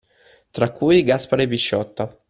Tra cui Gaspare Pisciotta.